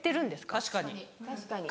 確かに。